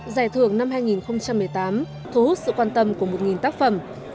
giải thưởng năm hai nghìn một mươi tám thu hút sự quan tâm của một tác phẩm